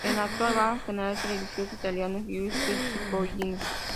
El actual Abad general es el religioso italiano Giuseppe Cipollini.